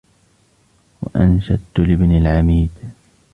وَأَنْشَدْت لِابْنِ الْعَمِيدِ